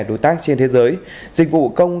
đối tác trên thế giới dịch vụ cung